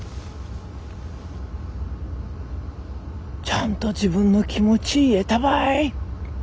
ちゃんと自分の気持ち言えたばい。